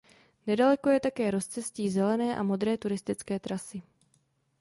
Nedaleko je také rozcestí zelené a modré turistické trasy.